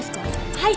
はい！